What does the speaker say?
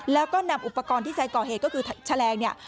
แล้วก็นำอุปกรณ์ที่ใช้ก่อเหตุก็คือแฉลงเนี่ย